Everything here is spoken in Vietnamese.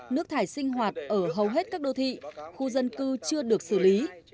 nước thải sinh hoạt ở hầu hết các đô thị khu dân cư chưa được xử lý